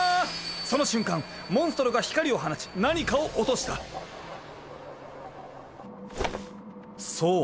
その瞬間モンストロが光を放ち何かを落としたそう